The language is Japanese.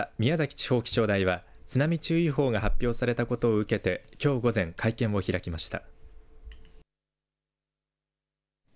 地方気象台は津波注意報が発表されたことを受けてきょう午前、会見を開きました。